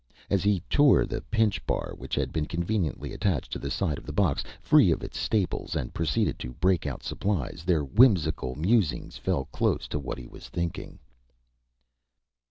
As he tore the pinchbar, which had been conveniently attached to the side of the box, free of its staples, and proceeded to break out supplies, their whimsical musings fell close to what he was thinking.